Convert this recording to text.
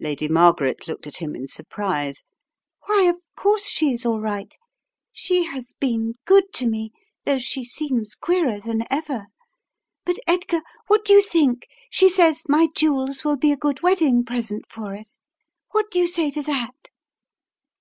Lady Margaret looked at him in surprise. Why, of course she is all right. She has been good to me, though she seems queerer than ever. But, Edgar, what do you think, she says my jewels will be a good wedding present for us! What do you say to that?"